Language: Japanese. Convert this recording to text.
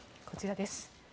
こちらです。